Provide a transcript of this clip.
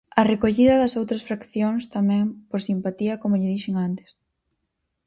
A recollida das outras fraccións tamén, por simpatía, como lle dixen antes.